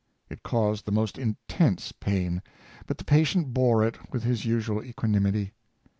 It caused the most intense pain, but the patient bore it with his usual equanimity.